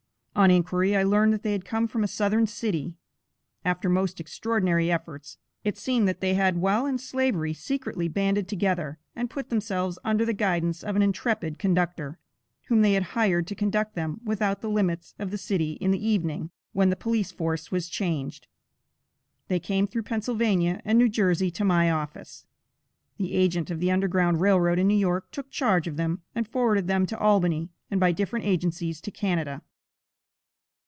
On inquiry, I learned that they had come from a southern city. After most extraordinary efforts, it seemed that they had while in Slavery, secretly banded together, and put themselves under the guidance of an intrepid conductor, whom they had hired to conduct them without the limits of the city, in the evening, when the police force was changed. They came through Pennsylvania and New Jersey to my office. The agent of the Underground Rail Road in New York, took charge of them, and forwarded them to Albany, and by different agencies to Canada.